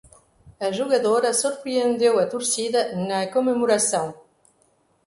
A jogadora surpreendeu a torcida na comemoração